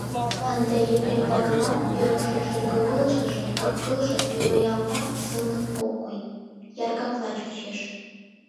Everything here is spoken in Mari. Ынде Епрем ватылан Верушын шӱргывылышыже, кап-кылже нимаятак сылнын ок кой, яргакла чучеш.